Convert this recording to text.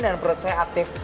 dan perut saya aktif